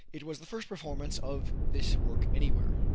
It was the first performance of this work anywhere.